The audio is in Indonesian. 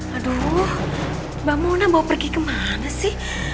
aduh mbak mona bawa pergi ke mana sih